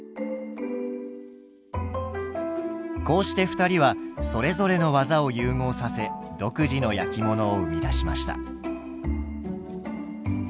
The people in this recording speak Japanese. こうして２人はそれぞれの技を融合させ独自の焼き物を生み出しました。